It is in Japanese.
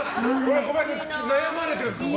小林さん、悩まれてるんですか。